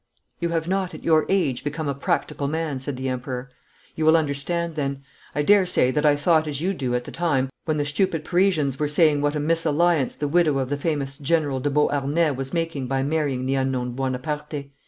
'You have not at your age become a practical man,' said the Emperor. 'You will understand then. I dare say that I thought as you do at the time when the stupid Parisians were saying what a misalliance the widow of the famous General de Beauharnais was making by marrying the unknown Buonaparte.